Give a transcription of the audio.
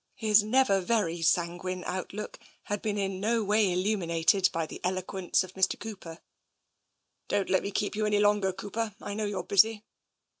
His never very sanguine outlook had been in no way illuminated by the eloquence of Mr. Cooper. " Don't let me keep you any longer, Cooper ; I know you're busy."